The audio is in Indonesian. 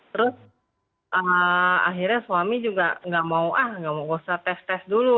terus akhirnya suami juga gak mau ah gak mau gak usah tes tes dulu